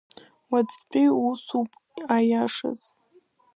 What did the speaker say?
Уаҵәтәи усуп, аиашаз.